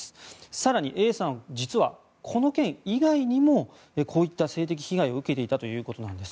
更にＡさん実は、この件以外にもこういった性的被害を受けていたということなんです。